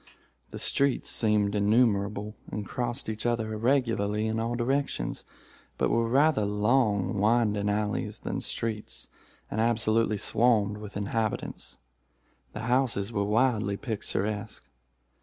The streets seemed innumerable, and crossed each other irregularly in all directions, but were rather long winding alleys than streets, and absolutely swarmed with inhabitants. The houses were wildly picturesque.